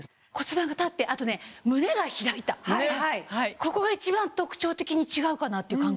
ここが一番特徴的に違うかなっていう感覚。